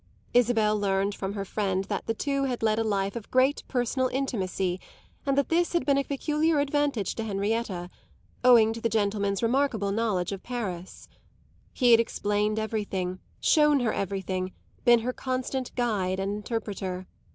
Isabel learned from her friend that the two had led a life of great personal intimacy and that this had been a peculiar advantage to Henrietta, owing to the gentleman's remarkable knowledge of Paris. He had explained everything, shown her everything, been her constant guide and interpreter.